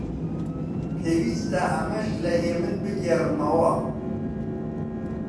پێویستە ئەمەش لە هێمن بگێڕمەوە: